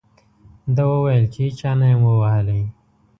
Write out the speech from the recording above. ده وویل چې هېچا نه یم ووهلی.